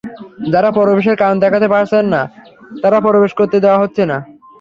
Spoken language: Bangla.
যাঁরা প্রবেশের কারণ দেখাতে পারছেন না, তাঁদের প্রবেশ করতে দেওয়া হচ্ছে না।